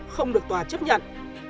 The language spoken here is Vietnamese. không được tòa chấp nhận